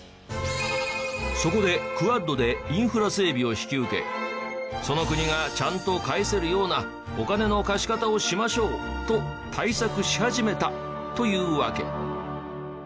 そこでＱＵＡＤでインフラ整備を引き受けその国がちゃんと返せるようなお金の貸し方をしましょうと対策し始めたというわけ。